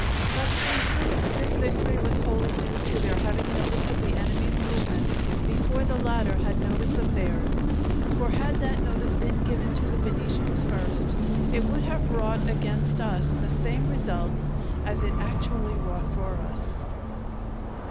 But in truth this victory was wholly due to their having notice of the enemy's movements before the latter had notice of theirs. For had that notice been given to the Venetians first, it would have wrought against us the same results as it actually wrought for us.